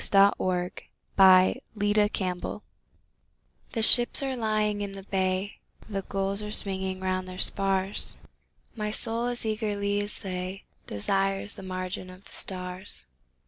Zoë Akins The Wanderer THE ships are lying in the bay, The gulls are swinging round their spars; My soul as eagerly as they Desires the margin of the stars.